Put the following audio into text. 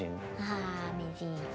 ああ名人。